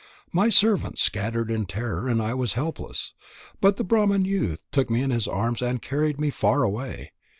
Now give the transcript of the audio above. My servants scattered in terror, and I was helpless. But the Brahman youth took me in his arms and carried me far away.